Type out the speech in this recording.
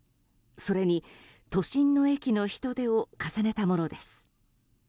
それに、都心の駅の人出を重ねたものです。